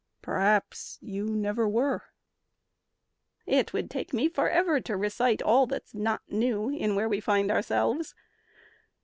"Perhaps you never were?" "It would take me forever to recite All that's not new in where we find ourselves.